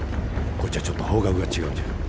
こっちはちょっと方角が違うんじゃ。